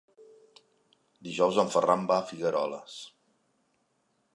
Dijous en Ferran va a Figueroles.